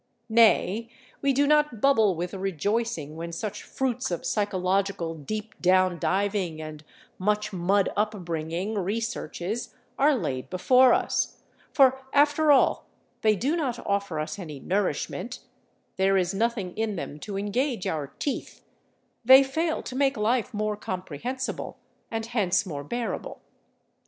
Nay; we do not bubble with rejoicing when such fruits of psychological deep down diving and much mud upbringing researches are laid before us, for after all they do not offer us any nourishment, there is nothing in them to engage our teeth, they fail to make life more comprehensible, and hence more bearable.